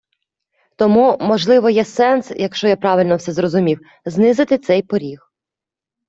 Тому, можливо є сенс, якщо я правильно все зрозумів, знизити цей поріг.